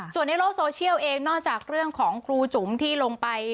ส่วนในโลกโซเชียลเองนอกจากเรื่องของครูจุ๋มที่ลงไป